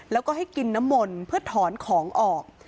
แล้วก็ให้กินน้ำมนต์เพื่อถอนของออก